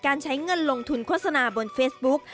ใช้เงินลงทุนโฆษณาบนเฟซบุ๊ก